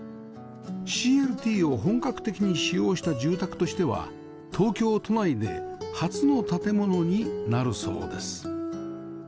ＣＬＴ を本格的に使用した住宅としては東京都内で初の建物になるそうです